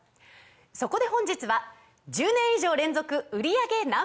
そこで本日は１０年以上連続売り上げＮｏ．１